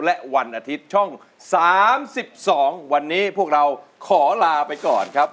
และวันอาทิตย์ช่อง๓๒วันนี้พวกเราขอลาไปก่อนครับ